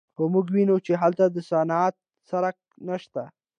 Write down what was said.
خو موږ ویني چې هلته د صنعت څرک نشته